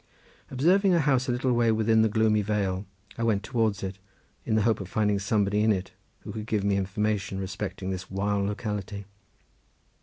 Observing a house a little way within the gloomy vale I went towards it in the hope of finding somebody in it who could give me information respecting this wild locality.